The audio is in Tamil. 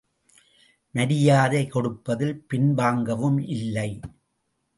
மரியாதை கொடுப்பதில் பின்வாங்கவும் இல்லை.